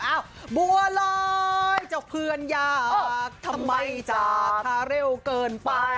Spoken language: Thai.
บัวลอยเจ้าเพื่อนยากทำไมจากคาเร็วเกินไป